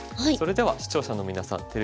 それでは視聴者の皆さん